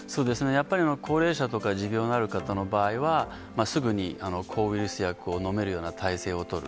やっぱり高齢者とか持病のある方の場合は、すぐに抗ウイルス薬をのめるような態勢を取る。